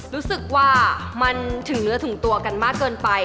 รู้สึกว่ามันถึงเนื้อถึงตัวกันมากเกินไป